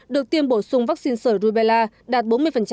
được tiêm bổ sung vaccine sởi rubella đạt bốn mươi